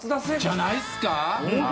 じゃないっすか？